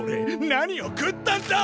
何を食ったんだ！？